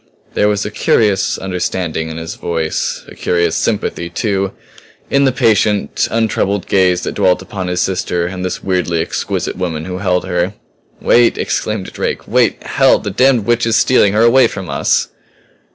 There was a curious understanding in his voice a curious sympathy, too, in the patient, untroubled gaze that dwelt upon his sister and this weirdly exquisite woman who held her. "Wait!" exclaimed Drake. "Wait hell! The damned witch is stealing her away from us!"